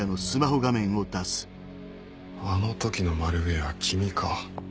あの時のマルウェア君か。